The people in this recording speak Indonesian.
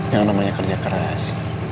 yang namanya kerja keras